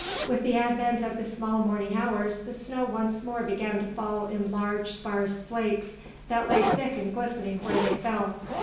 With the advent of the small morning hours the snow once more began to fall in large sparse flakes that lay thick and glistening where they fell.